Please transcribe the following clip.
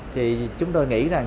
thì chúng tôi nghĩ rằng